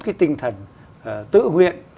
cái tinh thần tự nguyện